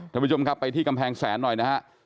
ท่านผู้ชมครับไปที่กำแพงแสนหน่อยนะฮะ